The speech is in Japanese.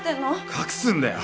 隠すんだよ。